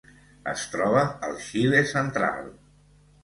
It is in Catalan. Es troba al Xile central.